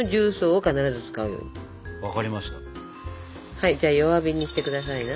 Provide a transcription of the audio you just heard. はいじゃあ弱火にして下さいな。